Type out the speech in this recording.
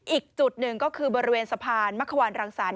อีกจุดหนึ่งก็คือบริเวณสะพานมะขวานรังสรรค